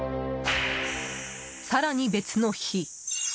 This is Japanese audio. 更に別の日。